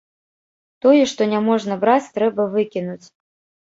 Тое, што няможна браць, трэба выкінуць.